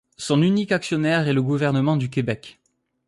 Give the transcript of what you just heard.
Son unique actionnaire est le gouvernement du Québec.